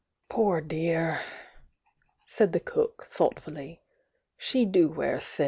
"Poor dear!" said the cook, thoughtfully— "she do wear thm!"